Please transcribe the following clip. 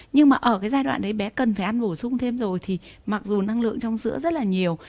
nhưng mà ở cái giai đoạn đấy bé cần phải ăn bổ sung thêm rồi thì mặc dù năng lượng trong sữa rất là nhiều